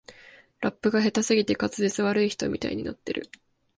ラップが下手すぎて滑舌悪い人みたいになってる